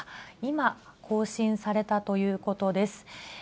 今、更新されたということです。